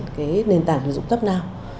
để phát triển cái nền tảng sử dụng jobnow